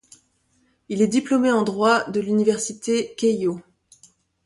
Il est diplômé en droit de l'université Keiō.